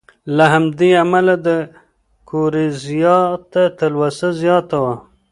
له همدې امله د ده ګورېزیا ته تلوسه زیاته وه.